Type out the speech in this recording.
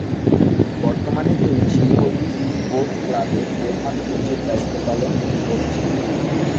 বর্তমানে তিনি Sinhalese sports ক্লাবের প্রধান কোচের দায়িত্ব পালন করছেন।